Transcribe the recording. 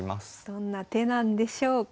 どんな手なんでしょうか。